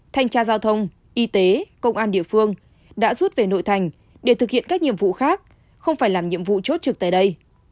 thanh tra giao thông y tế công an địa phương đã rút về nội thành để thực hiện các nhiệm vụ khác không phải làm nhiệm vụ chốt trực tại đây